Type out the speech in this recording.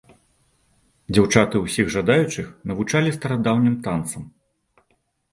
Дзяўчаты ўсіх жадаючых навучалі старадаўнім танцам.